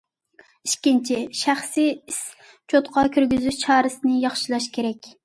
ئىككىنچى، شەخسىي ئىسچوتقا كىرگۈزۈش چارىسىنى ياخشىلاش كېرەك.